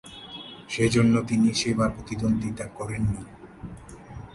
সে জন্য তিনি সে বার প্রতিদ্বন্দ্বিতা করেন নি।